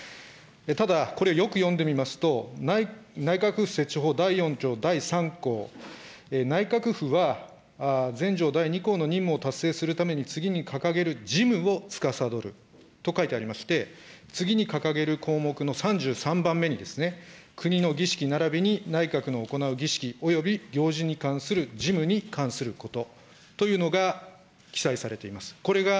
ただ、これよく読んでみますと、内閣府設置法第４条第３項、内閣府は前条第２項の任務を達成するために次に掲げる事務をつかさどると書いてありまして、次に掲げる項目の３３番目にですね、国の儀式ならびに、内閣の行う儀式、および行事に関する事務に関することというのが記載されています。